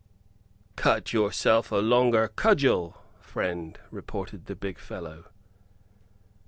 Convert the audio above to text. "Cut yourself a longer cudgel, friend," retorted the big fellow.